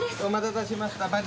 お待たせしました。